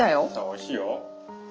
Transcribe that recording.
おいしいよ。